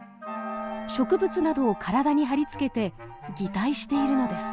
植物などを体に張り付けて擬態しているのです。